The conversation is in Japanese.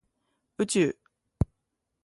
宇宙